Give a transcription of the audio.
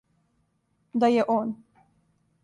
Да је он.